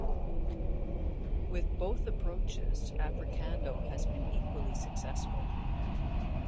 With both approaches, Africando has been equally successful.